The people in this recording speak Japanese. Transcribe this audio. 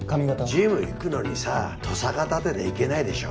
ジム行くのにさとさか立てて行けないでしょ